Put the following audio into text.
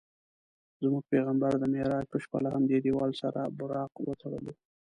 زموږ پیغمبر د معراج په شپه له همدې دیوال سره براق وتړلو.